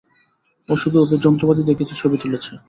ও শুধু ওদের যন্ত্রপাতি দিয়ে কিছু ছবি তুলেছে।